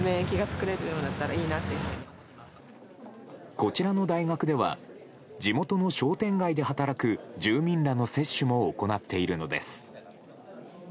こちらの大学では地元の商店街で働く住民らの接種も行っているのです。